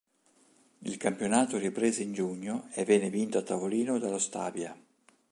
Il campionato riprese in giugno e venne vinto a tavolino dallo Stabia.